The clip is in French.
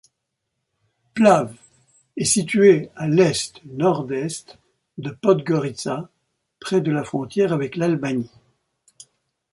Plav est située à à l'est-nord-est de Podgorica, près de la frontière avec l'Albanie.